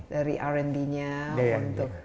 dari r d nya untuk